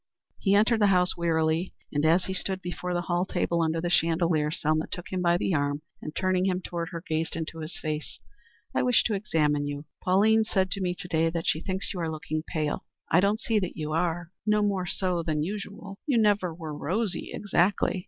He entered the house wearily, and as he stood before the hall table under the chandelier, Selma took him by the arm and turning him toward her gazed into his face. "I wish to examine you. Pauline said to me to day that she thinks you are looking pale. I don't see that you are; no more so than usual. You never were rosy exactly.